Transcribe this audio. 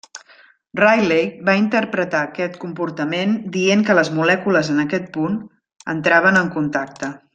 Rayleigh va interpretar aquest comportament dient que les molècules en aquest punt entraven en contacte.